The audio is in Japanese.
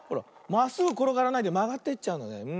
まっすぐころがらないでまがっていっちゃうんだね。